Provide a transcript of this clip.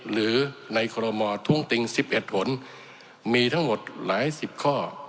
หรือในคอรมอทุ่งติง๑๑ผลมีทั้งหมดหลายสิบข้อ